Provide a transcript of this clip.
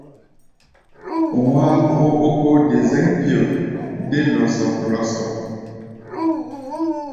Wá̧á̧ kó ó ókó-de-zɛ̌ŋ-fio dé lɔsɔk-lɔsɔk.